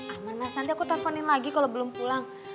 aman mas nanti aku telponin lagi kalau belum pulang